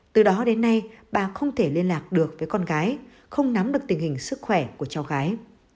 từ đó đến nay bà không thể liên lạc được với con gái không nắm được tình hình sức khỏe của cháu gái